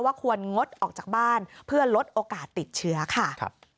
ควรงดออกจากบ้านเพื่อลดโอกาสติดเชื้อค่ะ